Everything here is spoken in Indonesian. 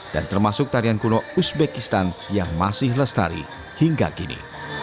dan termasuk tarian kuno uzbekistan yang masih lestari hingga kini